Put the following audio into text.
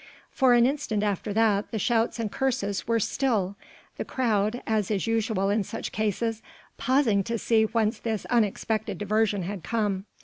For an instant after that the shouts and curses were still, the crowd as is usual in such cases pausing to see whence this unexpected diversion had come.